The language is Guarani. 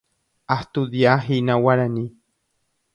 Astudiahína guarani.